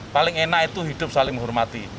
paling enak itu hidup saling menghormati